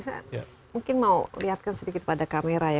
saya mungkin mau lihatkan sedikit pada kamera ya